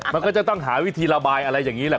มันก็จะต้องหาวิธีระบายอะไรอย่างนี้แหละ